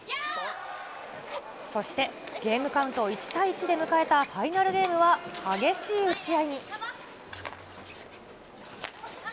そしてゲームカウント１対１で迎えたファイナルゲームは激しい打ち合いに。